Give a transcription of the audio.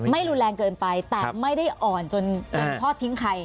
ไม่รุนแรงเกินไปแต่ไม่ได้อ่อนจนทอดทิ้งใคร